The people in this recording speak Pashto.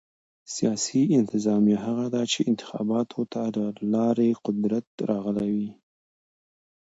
سیاسي انتظامیه هغه ده، چي انتخاباتو له لاري قدرت ته راغلي يي.